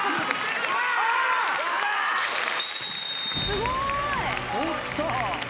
すごい！